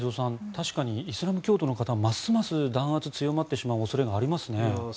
確かにイスラム教徒の方はますます弾圧が強まってしまう恐れがありますね。